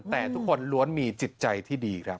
แต่ทุกคนล้วนมีจิตใจที่ดีครับ